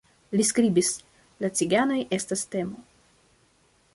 Li skribis "La ciganoj estas temo.